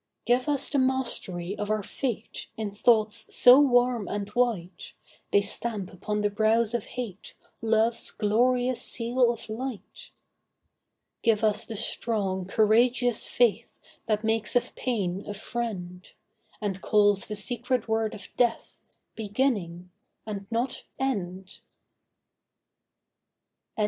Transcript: Give us the mastery of our fate In thoughts so warm and white, They stamp upon the brows of hate Love's glorious seal of light. Give us the strong, courageous faith That makes of pain a friend, And calls the secret word of death 'Beginning,' and not 'end.